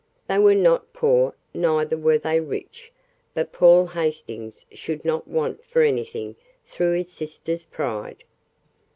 They were not poor, neither were they rich, but Paul Hastings should not want for anything through his sister's pride.